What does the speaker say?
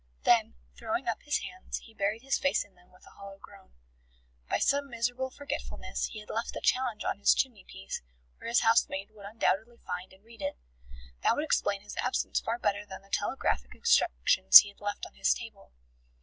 Then, throwing up his hands, he buried his face in them with a hollow groan. By some miserable forgetfulness he had left the challenge on his chimney piece, where his housemaid would undoubtedly find and read it. That would explain his absence far better than the telegraphic instructions he had left on his table.